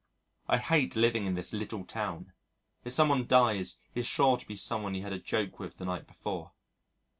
I hate living in this little town. If some one dies, he is sure to be some one you had a joke with the night before.